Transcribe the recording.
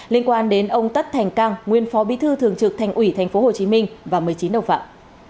liên quan đến ông tất thành căng nguyên phó bí thư thường trực thành ủy tp hồ chí minh và một mươi chín đồng phạm